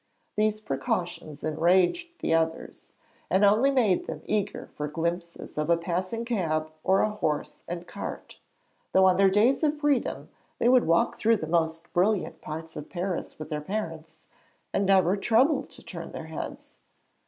These precautions enraged the others, and only made them eager for glimpses of a passing cab or a horse and cart, though on their days of freedom they would walk through the most brilliant parts of Paris with their parents, and never trouble to turn their heads.